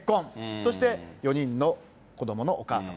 そして４人の子どものお母さん。